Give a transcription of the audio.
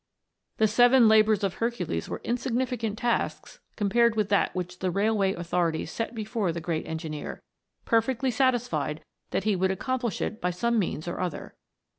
The seven labours of Hercules were insignificant tasks compared with that which the railway au thorities set before the great engineer, perfectly satisfied that he would accomplish it by some means or other.